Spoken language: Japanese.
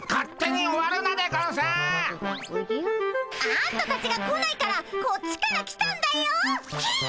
あんたたちが来ないからこっちから来たんだよっ！